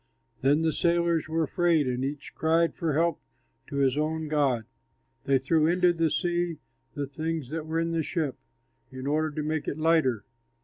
Then the sailors were afraid and each cried for help to his own god. They threw into the sea the things that were in the ship, in order to make it lighter.